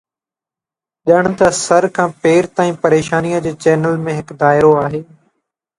ڄڻ ته سر کان پيرن تائين پريشانيءَ جي چينل ۾ هڪ دائرو آهي